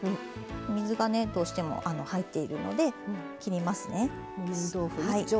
水がねどうしても入っているので切りますね。